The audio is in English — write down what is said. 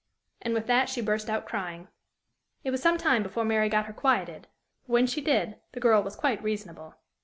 And with that she burst out crying. It was some time before Mary got her quieted, but, when she did, the girl was quite reasonable.